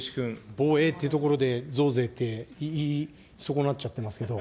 防衛というところで、増税って言い損なっちゃってますけど。